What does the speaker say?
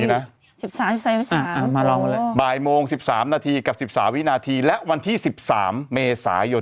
๑๓วินาที๑๓วินาทีมาลองกันเลยบ่ายโมง๑๓นาทีกับ๑๓วินาทีและวันที่๑๓เมษายน